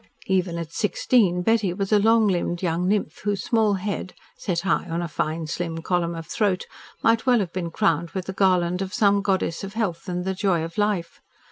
Even at sixteen Betty was a long limbed young nymph whose small head, set high on a fine slim column of throat, might well have been crowned with the garland of some goddess of health and the joy of life.